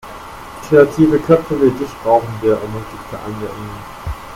Kreative Köpfe wie dich brauchen wir, ermutigte Anja ihn.